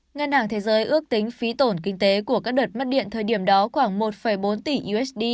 ngân hàng thế giới ước tính phí tổn kinh tế của các đợt mất điện thời điểm đó khoảng một bốn tỷ usd